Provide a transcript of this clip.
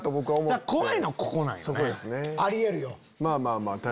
怖いのはここなんよね。